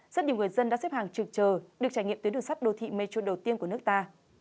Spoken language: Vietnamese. rất nhiều người dân đã xếp hàng trực chờ được trải nghiệm tuyến đường sắt đô thị metro đầu tiên của nước ta